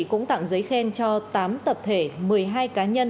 cũng tặng giấy khen cho tám tập thể một mươi hai cá nhân